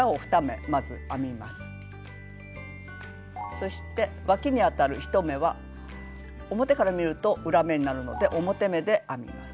そしてわきにあたる１目は表から見ると裏目になるので表目で編みます。